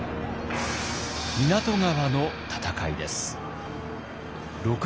湊川の戦いです。